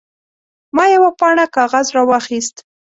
ما یوه پاڼه کاغذ راواخیست.